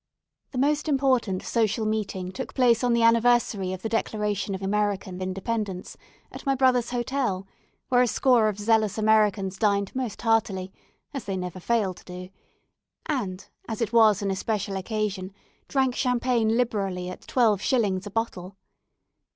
The most important social meeting took place on the anniversary of the declaration of American independence, at my brother's hotel, where a score of zealous Americans dined most heartily as they never fail to do; and, as it was an especial occasion, drank champagne liberally at twelve shillings a bottle.